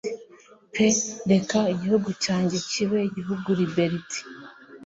pe reka igihugu cyanjye kibe igihugu Liberty